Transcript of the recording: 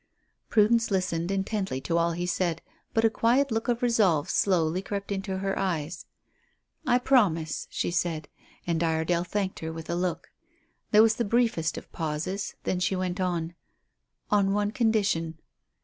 Prudence listened intently to all he said, but a quiet look of resolve slowly crept into her eyes. "I promise," she said, and Iredale thanked her with a look. There was the briefest of pauses; then she went on "On one condition."